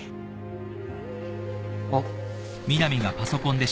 あっ。